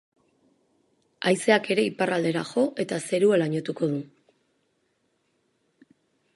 Haizeak ere iparraldera jo eta zerua lainotuko du.